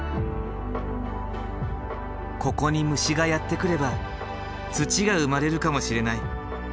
ここに虫がやって来れば土が生まれるかもしれない。